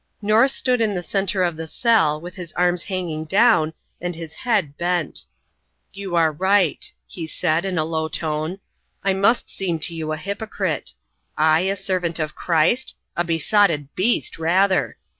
North stood in the centre of the cell, with his arms hanging down, and his head bent. "You are right," he said, in a low tone. "I must seem to you a hypocrite. I a servant of Christ? A besotted beast rather!